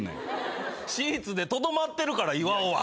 シーツでとどまってるから岩尾は。